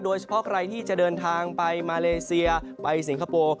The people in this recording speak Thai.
โดยเฉพาะใครที่จะเดินทางไปมาเลเซียไปสิงคโปร์